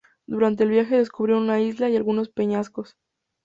Durante el viaje descubrieron una isla y algunos peñascos.